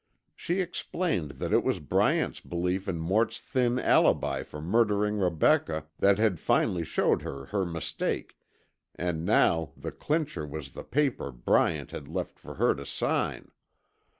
She explained that it was Bryant's belief in Mort's thin alibi for murdering Rebecca that had finally showed her her mistake, and now the clincher was the paper Bryant had left for her to sign.